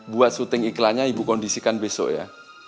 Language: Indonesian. buat syuting iklannya ibu kondisikan besok ya